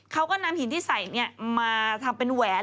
เขาก็นำหินที่ใส่มาทำเป็นแหวน